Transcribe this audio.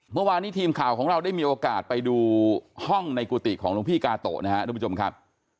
เมื่อวานี้ทีมข่าวของเราได้มีโอกาสไปดูห้องในกูติของหลวงพี่กาโตนะครับ